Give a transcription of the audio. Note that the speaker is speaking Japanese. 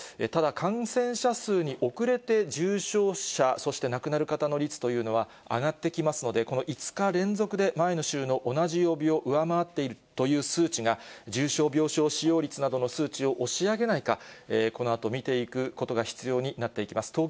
ただ、感染者数に遅れて重症者、そして亡くなる方の率というのは上がってきますので、この５日連続で前の週の同じ曜日を上回っているという数値が重症病床使用率などの数値を押し上げないか、このあと見ていくことが必要になっていきます。